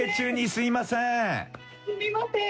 すみません。